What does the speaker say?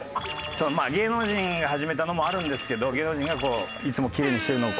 芸能人が始めたのもあるんですけど芸能人がいつもきれいにしてるのを。